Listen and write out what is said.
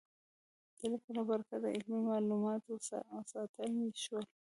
د لیک له برکته علمي مالومات وساتل شول.